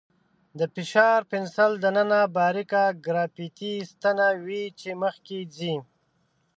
د فشاري پنسل دننه باریکه ګرافیتي ستنه وي چې مخکې ځي.